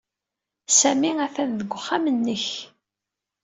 Sami atan deg uxxam-nnek.